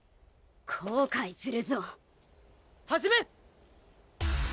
後悔するぞ始め！